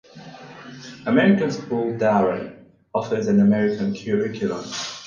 American School Dhahran offers an American curriculum.